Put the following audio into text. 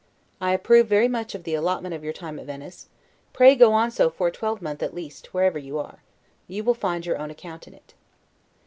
I approve very much of the allotment of your time at Venice; pray go on so for a twelvemonth at least, wherever you are. You will find your own account in it.